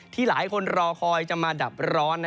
หลายคนรอคอยจะมาดับร้อน